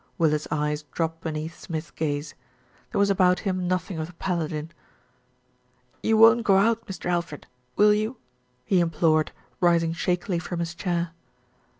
Willis' eyes dropped beneath Smith's gaze. There was about him nothing of the paladin. "You won't go out, Mr. Alfred, will you?" he im plored, rising shakily from his chair.